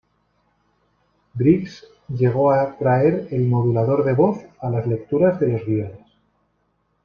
Briggs llegó a traer el modulador de voz a las lecturas de los guiones.